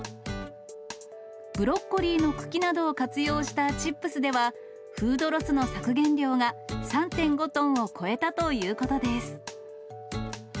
ブロッコリーの茎などを活用したチップスでは、フードロスの削減量が３．５トンを超えたということです。